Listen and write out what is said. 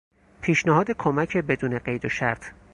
پیشنهاد کمک بدون قید و شرط